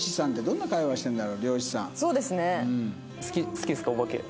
好きですか？